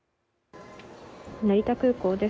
成田空港です。